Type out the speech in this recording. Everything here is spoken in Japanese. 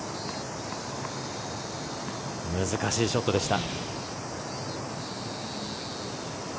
難しいショットでした。